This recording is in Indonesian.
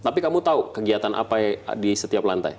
tapi kamu tahu kegiatan apa di setiap lantai